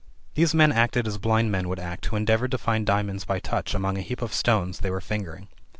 These men acted as blind men would act who endeavored to find diamonds by touch among a heap of stones they were fingering.